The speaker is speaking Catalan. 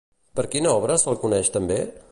Per quina obra se'l coneix també?